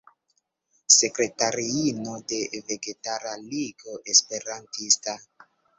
Sekretariino de Vegetara Ligo Esperantista.